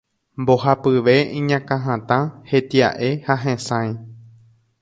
Mbohapyve iñakãhatã, hetia'e ha hesãi.